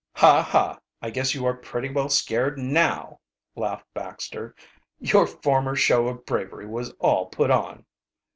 "Ha! ha! I guess you are pretty well scared now," laughed Baxter. "Your former show of bravery was all put on."